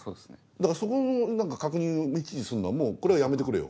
だからそこの確認をいちいちするのはもうこれはやめてくれよ？